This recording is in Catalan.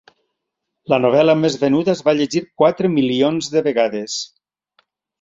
La novel·la més venuda es va llegir quatre milions de vegades.